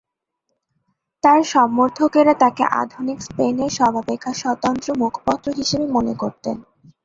তার সমর্থকেরা তাকে আধুনিক স্পেনের সর্বাপেক্ষা স্বতন্ত্র মুখপত্র হিসেবে মনে করতেন।